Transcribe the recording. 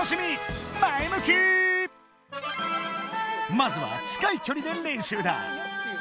まずは近いキョリで練習だ！